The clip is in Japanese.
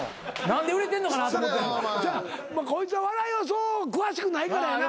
こいつは笑いはそう詳しくないからやな。